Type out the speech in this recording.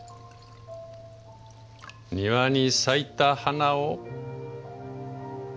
庭に咲いた花を一輪。